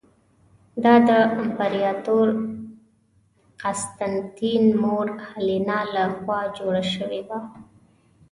دا د امپراتور قسطنطین مور هیلینا له خوا جوړه شوې وه.